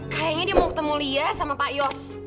kayaknya dia mau ketemu lia sama pak yos